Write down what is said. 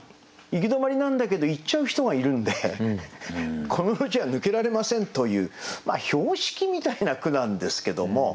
行き止まりなんだけど行っちゃう人がいるんでこの路地は抜けられませんという標識みたいな句なんですけども。